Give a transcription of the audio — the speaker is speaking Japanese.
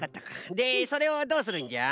でそれをどうするんじゃ？